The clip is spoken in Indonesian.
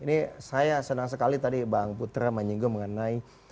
ini saya senang sekali tadi bang putra menyinggung mengenai